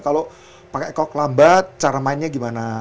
kalau pakai kok lambat cara mainnya gimana